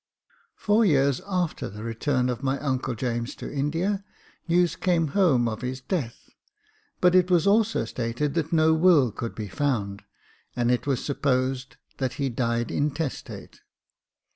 Four years after the return of my uncle James to India, news came home of his death ; but it was also stated that no will could be found, and it was supposed that he died intestate.